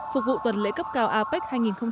phục vụ tuần lễ cấp cao apec hai nghìn một mươi bảy